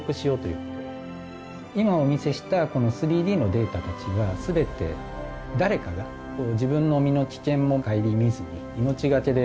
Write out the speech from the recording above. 今お見せしたこの３Ｄのデータたちは全て誰かが自分の身の危険も顧みずに。